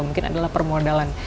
mungkin adalah permodalan